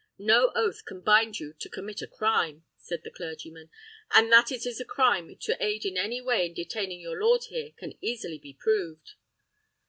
"No oath can bind you to commit a crime," said the clergyman; "and that it is a crime to aid in any way in detaining your lord here, can easily be proved."